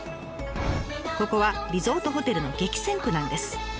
ここはリゾートホテルの激戦区なんです。